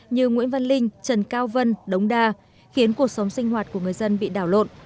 như nguyễn văn linh trần cao vân đống đa khiến cuộc sống sinh hoạt của người dân bị đảo lộn